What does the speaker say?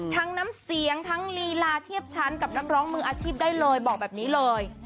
ทั้งน้ำเสียงทั้งลีลาเทียบชั้นกับนักร้องมืออาชีพได้เลยบอกแบบนี้เลย